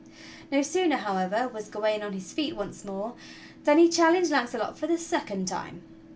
No sooner, however, was Gawain on his feet once more than he challenged Launcelot for the second time.